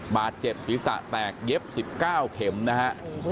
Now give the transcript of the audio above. บาดเจ็บศีรษะแตกเย็บ๑๙เข็มนะฮะ